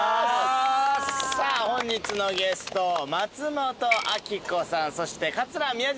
さあ本日のゲスト松本明子さんそして桂宮治さんです。